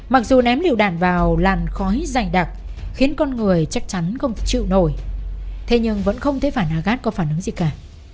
mặc dù ném lựu đạn vào làn khói dày đặc khiến con người chắc chắn không chịu nổi thế nhưng vẫn không thấy phanagap có phản ứng gì cả